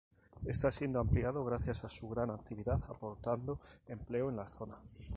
Está siendo ampliado gracias a su gran actividad, aportando empleo en la zona.